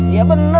iya bener lah